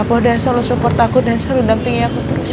papa udah selalu support aku dan selalu dampingi aku terus pak